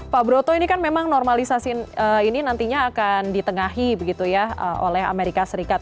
pak broto ini kan memang normalisasi ini nantinya akan ditengahi begitu ya oleh amerika serikat